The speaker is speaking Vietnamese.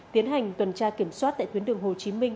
tiến hành tuần tra kiểm soát tại tuyến đường hồ chí minh